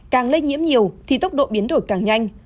càng lây nhiễm nhiều thì tốc độ biến đổi càng nhanh